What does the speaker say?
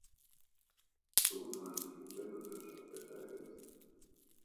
So sollen sich Umwelt und Wirtschaft besser ergänzen.